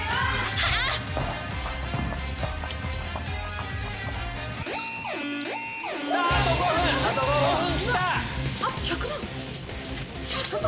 あっ１００万。